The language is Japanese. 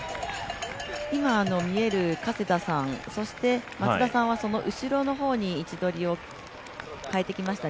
今、見える加世田さん松田さんはその後ろの方に位置取りを変えてきました。